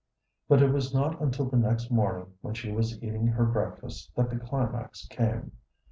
But it was not until the next morning when she was eating her breakfast that the climax came.